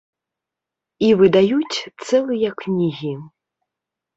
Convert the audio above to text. І выдаюць цэлыя кнігі.